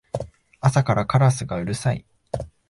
朝からカラスがうるさい